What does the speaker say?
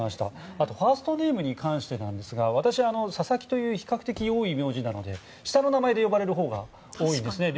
あとファーストネームに関してですが私は佐々木という比較的多い名字なので、下の名前で呼ばれるほうが多いんです。